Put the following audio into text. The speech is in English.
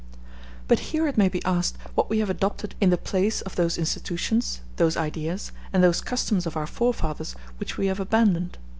But here it may be asked what we have adopted in the place of those institutions, those ideas, and those customs of our forefathers which we have abandoned.